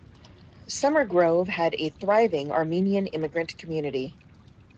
Summer Grove had a thriving Armenian immigrant community.